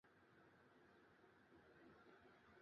而毗邻附近有大型住宅项目升御门。